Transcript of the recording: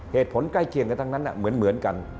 ใกล้เคียงกันทั้งนั้นเหมือนกัน